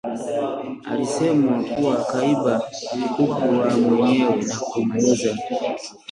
alisemwa kuwa kaiba kuku wa mwenyewe na kumuuza